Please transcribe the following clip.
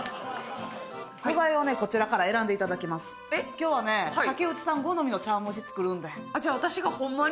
今日はね竹内さん好みの茶わん蒸し作るんで。